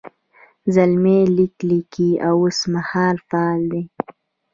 زلمی لیک لیکي اوس مهال فعل دی.